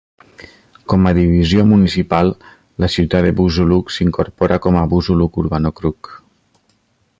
Com a divisió municipal, la ciutat de Buzuluk s'incorpora com a Buzuluk Urban Okrug.